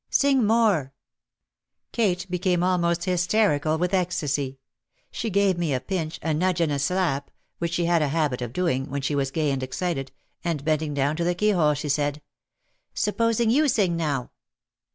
sing more !" Kate became almost hysterical with ecstasy. She gave me a pinch, a nudge and a slap, which she had a habit of doing, when she was gay and excited, and bend ing down to the keyhole she said, "Supposing you sing now."